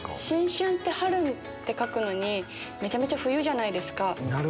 新春って「春」って書くのにめちゃめちゃ冬じゃないですか。